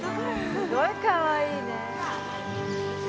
すごいかわいいね。